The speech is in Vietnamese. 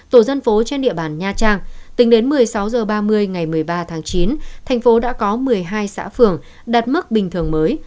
tổ dân phố trên địa bàn nha trang tính đến một mươi sáu h ba mươi ngày một mươi ba tháng chín thành phố đã có một mươi hai xã phường đạt mức bình thường mới